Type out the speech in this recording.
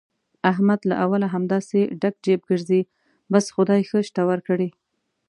احمد له اوله همداسې ډک جېب ګرځي، بس خدای ښه شته ورکړي.